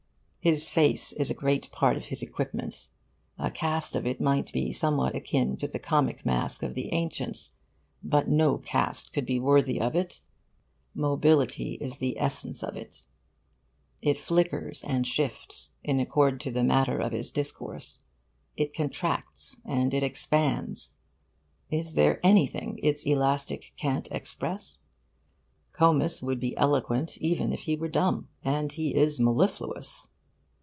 His face is a great part of his equipment. A cast of it might be somewhat akin to the comic mask of the ancients; but no cast could be worthy of it; mobility is the essence of it. It flickers and shifts in accord to the matter of his discourse; it contracts and it expands; is there anything its elastic can't express? Comus would be eloquent even were he dumb. And he is mellifluous.